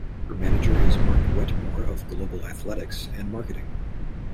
Her manager is Mark Wetmore of Global Athletics and Marketing.